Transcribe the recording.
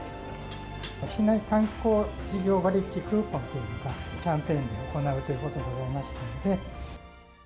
市内観光事業割引クーポンというのが、キャンペーンで行うということでございましたので。